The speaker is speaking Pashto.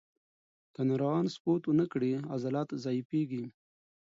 که ناروغان سپورت ونه کړي، عضلات ضعیفېږي.